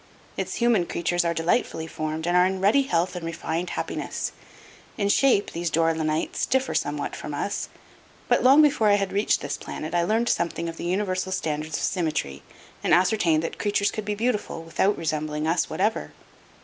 Its human creatures are delightfully formed and are in ruddy health and refined happiness. In shape these Dore lynites differ somewhat from us, but long before I had reached this planet I learned something of the universal standards of symmetry and ascertained that creatures could be beautiful without resembling us whatever.